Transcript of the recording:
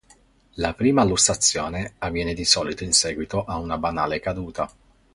La prima lussazione avviene di solito in seguito a una banale caduta.